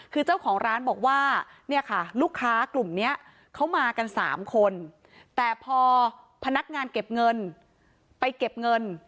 คือเจ้าของร้านบอกว่าเนี่ยค่ะลูกค้ากลุ่มนี้เขามากัน๓คนแต่พอพนักงานเก็บเงินไปเก็บเงิน